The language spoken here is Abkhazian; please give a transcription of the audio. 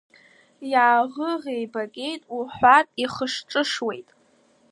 Иааӷыӷибагеит уҳәартә ихышҿышуеит.